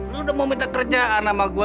lu udah mau minta kerjaan sama gue